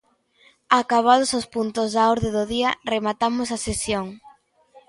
Acabados os puntos da orde do día, rematamos a sesión.